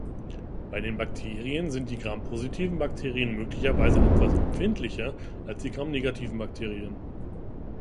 Bei den Bakterien sind die grampositiven Bakterien möglicherweise etwas empfindlicher als die gramnegativen Bakterien.